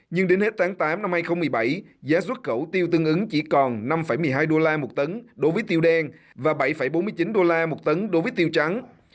nhưng đến hết tháng tám năm hai nghìn một mươi bảy giá xuất khẩu tiêu tương ứng chỉ còn năm một mươi hai đô la một tấn đối với tiêu đen và bảy bốn mươi chín đô la một tấn đối với tiêu trắng